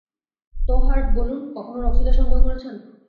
তো, হার্ট বলুন, কখনো রক্সিকে সন্দেহ করেছেন?